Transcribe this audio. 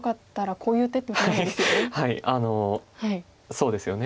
そうですよね